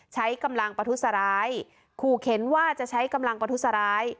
ใช้กำลังประทุษร้ายขู่เข็นว่าจะใช้กำลังประทุษร้าย